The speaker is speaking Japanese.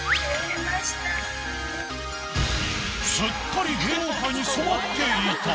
［すっかり芸能界に染まっていた］